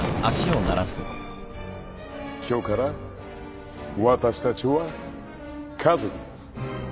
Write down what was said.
今日からわたしたちは家族です。